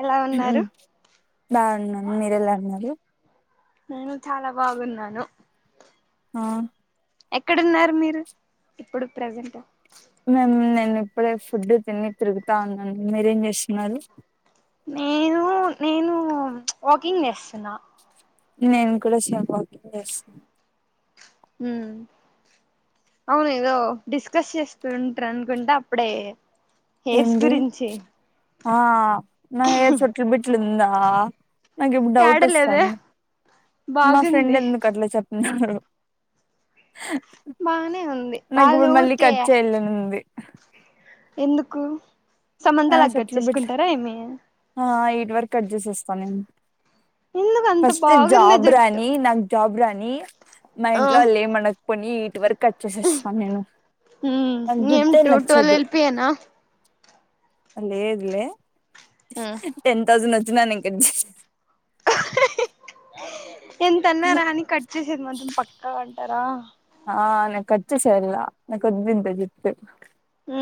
ఎలా ఉ ఉన్నారు బావున్నా మీరెలా ఉన్నారు నేను చాలా బాగున్నాను ఆ ఎక్కడున్నారు మీరు ఇప్పుడు ప్రజెంట్ మేమ్ నేను ఇప్పుడే ఫుడ్ తిని తిరుగుతా ఉన్నాం మీరేం చేస్తున్నారు నేను నేను వాకింగ్ చేస్తున్నా నేను కూడా సేమ్ వాకింగ్ చేస్తున ఊ అవును ఏదో డిస్కస్ చేస్తుంట్ రనుకుంట అప్పుడే హెయిర్స్ ఏంది గురించి ఆ నా హెయిర్ చుట్లు బిట్లిందా నాకిప్పుడు డౌట్ ఏడలేదే వస్తంది మా ఫ్రెండ్ బాగుంది ఎందుకట్లా చెప్న్నారు బానే ఉంది వాళ్ళ నాకిప్పుడు మళ్ళీ ఊరికే ఖట్ చేయాలనుంది ఎందుకు సమంత ఆ లాగా కట్ షట్లు బిట్ చేసుకుంటారా ఏమి ఆ ఇట్ వరకు కట్ చేసేస్తాన్ నేను ఎందుకు అంత ఫస్ట్ బాగుంది జాబ్ జుట్టు రాని నాక్ జాబ్ రాని మా ఆ ఇంట్లో వాళ్ళు ఏం మనకపోని ఇటువరకు కట్ చేసేస్తాన్ నేను నాకు జుట్టే నచ్చదు హెన్నా లేదిలే ఉమ్ టెన్ థౌసండ్ వచ్చినా నేన్ కట్ చేసే ఎంతన్నారాని కట్ చేసేది మాత్రం పక్కా అంటారా ఆ నే కట్ చేసేలా నా కొద్దింత జుట్టు ఊ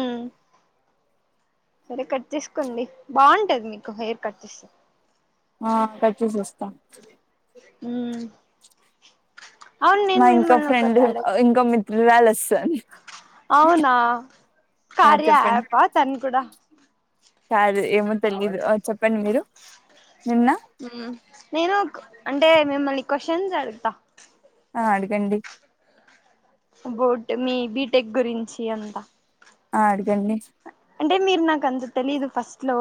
సరే కట్ చేస్కోండి బాంటది మీకు హెయిర్ కట్ చేస్తే ఆ కట్ చేసేస్తా ఉమ్ అవును నేను నా ఇంకో మిమ్మల్ని ఒకటి ఫ్రెండు అడగ ఇంకో మిత్రురాలొస్తది అవునా చెప్పండి కార్యయాప్ ఆ తన్ కూడా కాదు ఏమో తెలీదు ఆ చెప్పండి మీరు నిన్న హూ నేను అంటే మిమ్మల్ని క్వశ్చన్స్ అడుగుతా ఆ అడగండి బోట్ మీ బీటెక్ గురించి అంతా ఆ అడగండి అంటే మీరు నాకంత తెలీదు ఫస్ట్ లో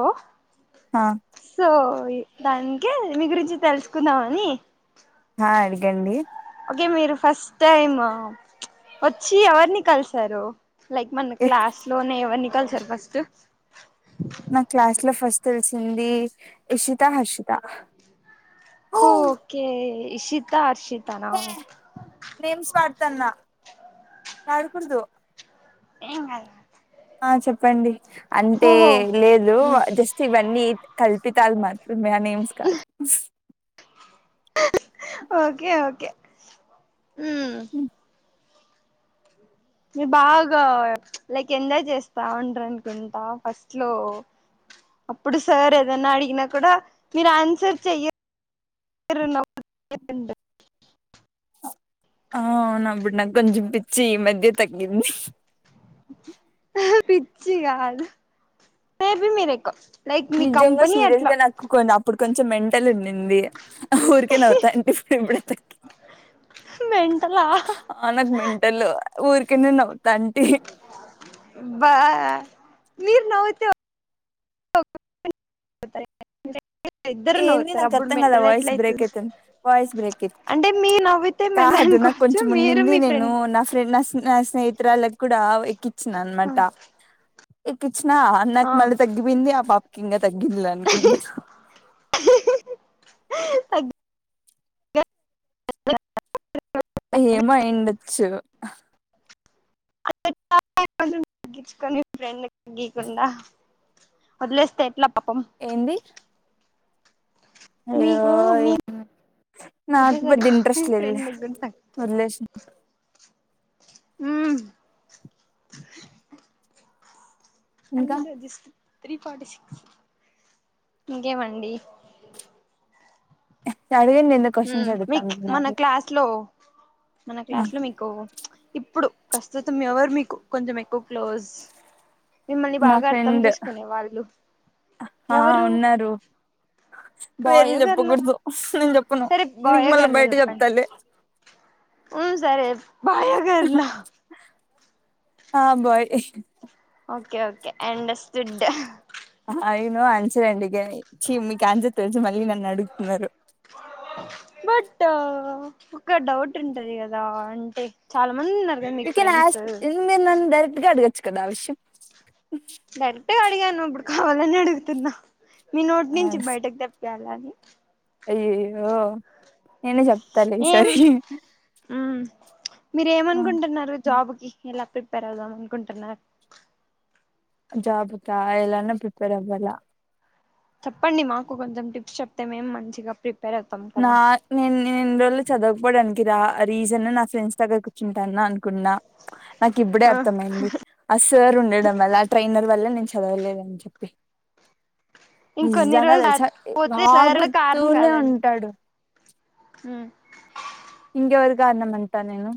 ఆ సో దానికే మీ గురించి తెలుసుకుందాం అని హ అడగండి ఓకే మీరు ఫస్ట్ టైమ్ వచ్చి ఎవరిని కలిసారు లైక్ మన ఎక్ క్లాస్ లోనే ఎవర్ని కలిసారు ఫస్ట్ నా క్లాస్ లో ఫస్ట్ తెలిసింది ఇషిత హర్షిత ఓ ఓకే ఈషిత అర్షిత్ త నా హే నేమ్స్ వాడుతున్న వాడకూడదు ఏం కాదు. ఆ చెప్పండి అంటే ఓహో లేదు జస్ట్ ఇవన్నీ కల్పితాలు మాత్రమే అ నేమ్స్ కాదు ఓకే ఓకే ఉమ్ మీరూ బాగా లైక్ ఎంజాయ్ చేస్తా ఉంటరు అనుకుంటా ఫస్ట్ లో అప్పుడు సార్ ఏదన్నా అడిగినా కూడా మీరు ఆన్సర్ చెయ్యరు నవ్ చెప్పండి అ అవును ఆప్పుడు నాకు కొంచెం పిచ్చి ఈ మధ్య తగ్గింది పిచ్చి గాదు మీరు ఎక్కువ లైక్ మీ నిజంగా కంపెనీ సీరియస్ అట్లా గా నక్కు కొంచెం అప్పుడు కొంచెం మెంటల్ ఉండింది ఆ ఊరికే నవ్వుతా అంటే ఇప్పుడు ఇప్పుడ మెంటలా ఆ నాకు మెంటలు ఊరికినే నవ్వుతాంటి ఆబా మీరు నవ్వితే ఇద్దరు ఏంది నవ్వుతారు నాకు అప్పుడు అర్థాం కలా మెంటల్ వాయిస్ ఎట్ల బ్రేక్ అయితది అయితుంది వాయిస్ బ్రేక్ అయి అంటే మీరు నవ్వితే మెంటల్ కాదు నాకు అనుకోవచ్చు కొంచెం మీరు మున్నింది మీ నేను ఫ్రెండ్ నా ఫ్రెండ్ నా స్నేహితురలాకి కూడా ఎక్కి చిన అన్నమాట ఇటోచ్చినా అన్నకి ఆ మళ్ళీ తగ్గిపోయింది ఆ పాపకి ఇంకా తగ్గింది లే అనుకుంటా ఏమో అయిండొచ్చు తగ్గించుకొని ఫ్రెండ్ కి తగ్గియ్యకుండా వదిలేస్తే ఎట్లా పాపం ఏంది అయ్యో మీకు మీ ఇది నాకు సరి పెద్ద ఇంట్రెస్ట్ లేదులే ఫ్రెడ్ కి కూడా తగ్గించండి వదిలేసిన ఉ ఇంకా ఇంకేమండి అడిగండి ఎందుకు ఉ క్వశ్చన్స్ మీక్ మన అడుగుతాన్నారు క్లాస్ లో మన క్లాస్ లో మీకు ఇప్పుడు ప్రస్తుతం ఎవరు మీకు కొంచెం ఎక్కువ క్లోజ్ మిమ్మల్ని నా బాగా అర్థం ఫ్రెండ్ చేసుకునే వాళ్ళు ఆ ఎవరు ఉన్నారు పేర్లు బాయో గర్ల చెప్పకూడదు నేను చెప్పను సరే బాయ నీకు మళ్ళీ గర్ల బయట చెప్పండి చెప్తాలే ఆ సరే బాయ గార్ల ఆ బోయ్ okay okay I understood అయినా ఆన్సర్ అడిగారు చీ మీకు ఆన్సర్ తేలిసి మళ్ళీ నన్ను అడుగుతున్నారు బుడ్డా ఒక డౌట్ ఉంటది కదా అంటే చాలా మంది ఉన్నారు కదా యు మీకు కెన్ ఫ్రెండ్స్ అస్క్ ఇది మీరు నన్ను డైరక్ట్గా అడ్గచ్చు కదా ఆ విషయం డైరెక్ట్గా అడిగాను ఇప్పుడు కావాలని అడుగుతున్నా మీ నోటి నుంచి బయటకు తెప్పియాలని అయ్యయ్యో నేనే చెప్తాలే ఈసారి ఉ మీరు ఏమనుకుంటున్నారు జాబుకు ఎలా ప్రిపేర్ అవుదాం అనుకుంటున్నారు జాబ్ కా ఎలానో ప్రిపేర్ అవ్వాల చెప్పండి మాకు కొంచెం టిప్స్ చెప్తే మేము మంచిగా ప్రిపేర్ అవుతాం నా కదా నేను నేను రోజులు చదవుకపోవడానికి రా రీజన్ నా ఫ్రెండ్స్ దగ్గర కూచుంటానా అనుకున్నా నాకు ఇప్పుడే ఆ అర్థమయింది అ సార్ ఉండడం వల్ల ఆ ట్రైనర్ వల్ల నేను చదవలేనని చెప్పి ఇంకొన్ని నిజంగా రోజులు తెలుసా దాటిపోతే సార్ కూడా వాగుతూనే ఉంటాడు ఉమ్ ఇంకేవరు కారణం అంట నేను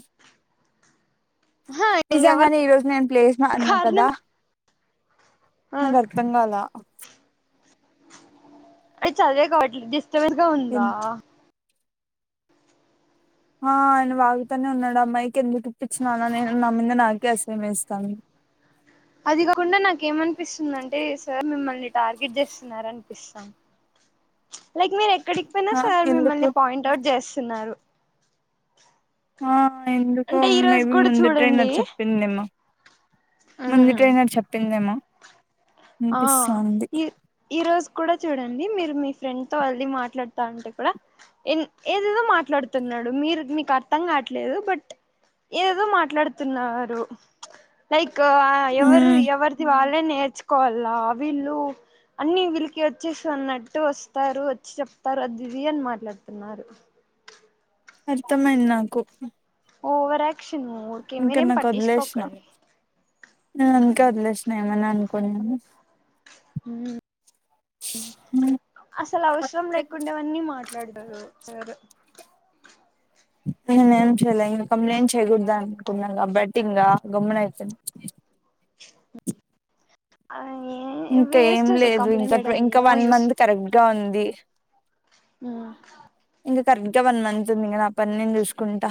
ఆహా ఇంకెవరు నిజంగానే ఈ రోజు నేను ప్లేస్ మారినా కదా కారణం ఆ నా బంగాల అయి చదివే కావట్లే డిస్టర్బ్ గా ఉందా ఆ ఆయన వాగుతానే ఉన్నాడు అమ్మాయికి ఎందుకు ఇప్పించినాన నేను నా మీద నాకే అసహ్యం వేస్తాంది అది కాకుండా నాకే ఏమనిపిస్తుంది అంటే సార్ మిమ్మల్ని టార్గెట్ చేస్తున్నారా అనిపిస్తాంది లైక్ మీరు ఎక్కడికి పోయినా ఆ సార్ ఎందుకు మిమ్మల్ని పాయింట్ అవుట్ చేస్తున్నారు ఆ ఎందుకో అంటే ఈ రోజు మేబి కూడా ముందు చూడండి ట్రైనర్ చెప్పిందేమో ముందు ఉమ్ ట్రైనర్ చెప్పిందేమో ఆ అనిపిస్తుంది ఈ ఈ రోజు కూడా చూడండి మీరు మీ ఫ్రెండ్ తో అళ్ది మాట్లాడుతా ఉంటే కూడా ఏదేదో మాట్లాడుతున్నాడు మీరు మీకు అర్థం కావట్లేదు బట్ ఏదేదో మాట్లాడుతున్నారు లైక్ ఎవరు ఉమ్ ఎవరిది వాళ్ళే నేర్చుకోవాల వీళ్ళు అన్ని వీళ్ళకి వచ్చేసి అన్నట్టు వస్తారు వచ్చి చెప్తారు అదిది అని మాట్లాడుతున్నారు అర్థమైంది నాకు ఓవర్ యాక్షన్ ఊకే ఇంకా మీరేం నాకు వదిలేసిన పట్టించుకోకండి నేను అందుకే వదిలేసిన ఏమన్నా అనుకోనని హ్మ్ అసలు అవసరం లేకుండేవణ్ణి మాట్లాడుతున్నారు సరే నేను ఏం చేయలే ఇంకా కంప్లైంట్ చేయకూడదు అనుకున్న కాబట్టి ఇంగ గమున అయితే అయ్యే ఇంకా ఏం వేస్ట్ అసలు కంప్లైంట్ చేయడం ఏమో యూస్ రంది ఉమ్ ఇంకా కరెక్ట్ గా వన్ మంత్ ఉంది ఇంకా నా పని నేను చూసుకుంటా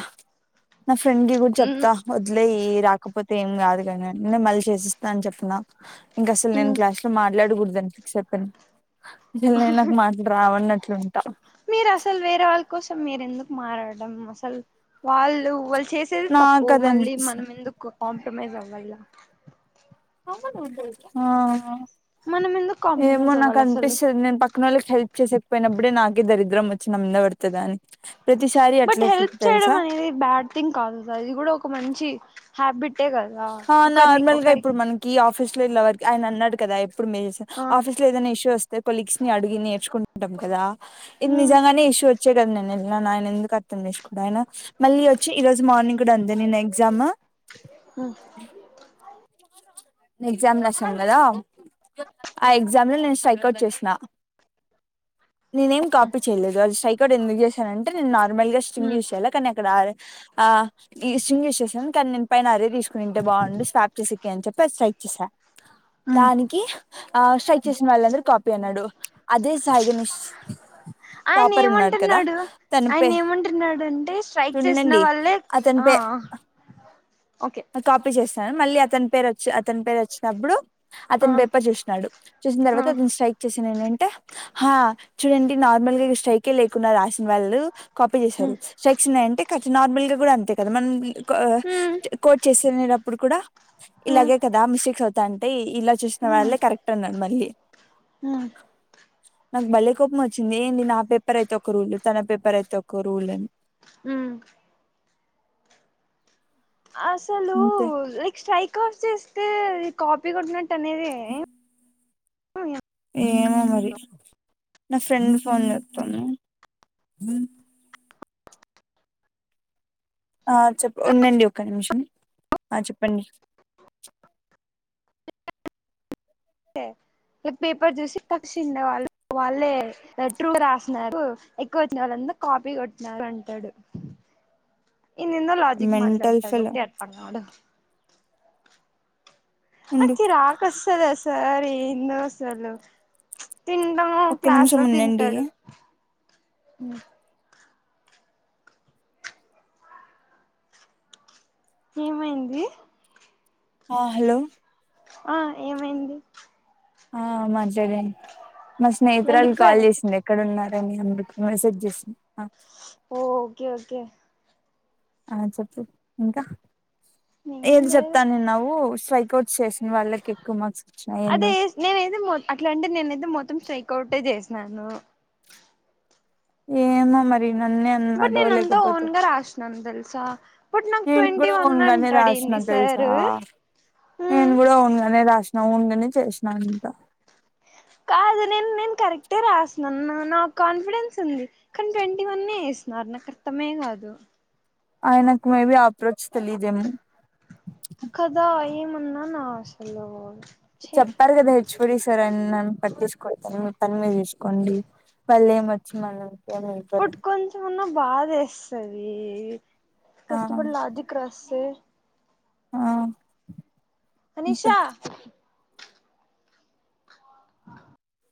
నా ఫ్రెండ్ కి కూడా మ్ చెప్తా వ ఇట్లే రాకపోతే ఏం కాదు కాని నను మళ్ళీ చేసిస్తా అని చెప్తున్నా ఇంకా అసలు నేను మ్ క్లాస్ లో మాట్లాడకూడదు అని ఫిక్ అయిపోయిన అస నేను నాకు మాట్ రావన్నట్లుంట మీరు అసలు వేరే వాళ్ళ కోసం మీరు ఎందుకు మారడడం అసలు వాళ్ళు వాళ్ళు చేసి వాళ్లు చేసేది తప్పు నాకు అది మళ్ళీ మనం అనిపిస్తుంది ఎందుకు కాంప్రమైజ్ అవ్వల్ల ఆ హా మనం ఎందుకు ఏమో కాంప్రమైజ్ నాకు అవ్వాలి అసలు అనిపిస్తది నేను పక్క పక్కన వాళ్ళకి హెల్ప్ చేసయకపోయినప్పుడే నాకే దరిద్రం వచ్చి నా ముందర పడతది అని ప్రతిసారి అట్లేవస్తుంది తెలుసా థిం కాదు సార్ ఇది కూడా ఒక మంచి హ్యాబిటే కదా ఒకరిని ఒకరి కి ఆఫీస్ లో ఇళ్ళ వరకి ఆయన అన్నాడు కదా ఎప్పుడు మేల్ ఆ ఆఫీస్లో ఏదైనా ఇష్యూ వస్త తే కొలీగ్స్ ని అడిగి నేర్చుకుంటాం కదా ఇద్ మ్ నిజంగానే ఇష్యూ చూడండి నిన్నేనా అయిన ఎందుకు అర్థం చేస్కుంటా ఆయిన మళ్ళీ ఓచ్చి ఈ రోజు మార్నింగ్ గూడా ఉంది నిన్న ఎగ్జాము హ నే ఎగ్జామ్ లో రసం గదా ఆ ఎగ్జామ్లో నేన్ సైక్ అవుట్ చేష్న [inaudible] నేనే ఏం కాపీ చేయ్లేదు అది స్ట్రైక్ అట్ ఎంద్ధుక్ జేశానంటే నేన్ నార్మల్ గా స్ట్రింగ్ మ్ ఎశెయ్యలా కానీ అక్కడ ఆ ఇ సింగ్ ఎసేసాను కానీ నేను పైన అరే తీస్కునింటే బాండు స్ చేసికె అన్ చెప్పి స్ట్రైక్ చేశా ఆ దానికి ఆ స్ట్రైక్ చేస్న వాళ్ళందరు కాపీ అన్నాడు అదే సాయిగణేష్ ఆయన టాపర్ ఉన్నాడు కదా ఏమంటున్నాడు తన ఆయన పే ఏమంటున్నాడు అంటే స్ట్రైక్ చేసిన టుంనండి. వాళ్ళే అతన్ పై ఆ ఓకే ఆ కాపీ చేస్సను మళ్ళీ అతన్ పేరు ఒచ్చి అతని పేరు ఒచ్చినప్పుడు ఆ అతని పేపర్ చూష్నాడు చూసిన్ ఆ తర్వాత అతని స్ట్రైక్ వచ్చేసాను ఏంటంటే హా చూడండి నార్మల్ గా స్ట్రైకే లేకుండా రాసిన్ వాళ్ళు కాపీ మ్ జెశారు స్ట్రైక్స్ ఉన్నాయి అంటే నార్మల్గా గూడా అంతే కదా మన్ పా మ్ చ కోడ్ చేసినప్పుడు కూడా ఇలాగే కదా మిస్టేక్స్ అవుతంటై ఇలా చూస్న వాళ్ళలేే కరెక్ట్ అన్నాడు మళ్ళీ హ నాకు బలేకోపం ఒచ్చింది ఏంది నా పేపర్ అయితే ఒక రూల్ తన పేపర్ అయితే ఒక రూల్ అని హమ్ అసల్ ఇంతే లైక్ స్ట్రైక్ ఆఫ్ చేస్తే కాపీ కొట్టినట్టు అనేదే ఏమో మరి నా ఫ్రెండ్ ఫోన్ జేతంది. ఆ చెప్ప ఉందండి ఒక నిమ్షం ఆ చెప్పండి. ఇగ పేపర్ జుసి తక్షిండే వాళ్ళు వాళ్ళే ట్రూ రాస్నారు ఎక్వ అచ్చిన వాళ్ళంద కాపీ కొట్నాడు అంటడు ఏందేందో లాజిక్ మెంటల్ మాట్లాడతాడు ఫెలో తెప్ప నోడు అ ఉండు కిరాక్ అస్సుది ఆ సార్ ఏందో అసలు తింటము అ ఒక్క క్లాస్ నిమిషం లో ఉండండి తింటాడు ఏమైంది. ఆ హలో ఆ ఏమైంది. ఆ మంచ్చడె మా స్నేహితురాలు కాల్ వెళ్ళిపోయారు జేసింది. ఇక్కడ ఉన్నారనీ అందుకు మెసేజ్ జెస్న ఓ ఓకే ఓకే ఏం ఏంది లేదు చెప్తానున్నావు స్ట్రైక్ అవుట్ చేసిన్ వాళ్ళకి ఎక్కువ్ మార్క్స్ అదే వచ్చినాయన్నో నేనైతే మో అట్లా అంటే నేనైతే మొత్తం స్ట్రైక్ అవుటే జేస్నాను ఏమో మరి నన్నే బట్ అన్నాడో నేనంతా లేకపోతే ఓన్ గా రాష్నను తెల్సా నేను గూడా ఓన్గానే రాష్నను తెల్సా సారు నేను గూడా ఓన్గానే రాష్ రౌండ్గనే చేశినా అంతా. కాదు నేను నేను కరెక్టే రాశినా నానాకు కాన్ఫిడెన్స్ ఉంది. కానీ ట్వంటీ వనే ఏసినారు నాకు అర్థమే కాదు. ఆయనకు మేబి అప్రోచ్ తెలియదేమో. కదా ఏమన్నాన అసలు. ఛీ చెప్పారు కదే చూడి సరే అన్నాను పట్టించుకోలేదండీ, మీ పని మీరు చూసుకోండి వాళ్ళు ఏమి వచ్చి మనం బట్ కొంచెంమన్నా బాధేస్తది ఆ కష్టపడి లాజిక్ రాస్తే ఆ అంతే అనిషా ఆ